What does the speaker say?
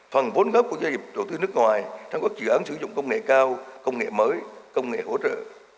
phần vốn góp của doanh nghiệp đầu tư nước ngoài trong các dự án sử dụng công nghệ cao công nghệ mới công nghệ hỗ trợ